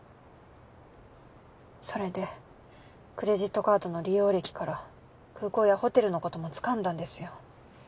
それでクレジットカードの利用歴から空港やホテルのことも掴んだんですよ。